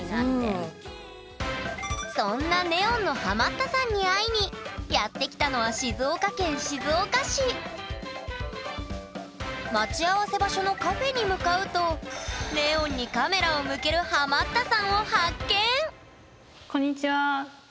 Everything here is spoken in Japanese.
そんなネオンのハマったさんに会いにやって来たのは待ち合わせ場所のカフェに向かうとネオンにカメラを向けるこんにちは。